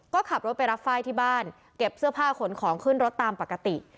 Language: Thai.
ก็ขับรถไปรับไฟล์ที่บ้านเก็บเสื้อผ้าขนของขึ้นรถตามปกติ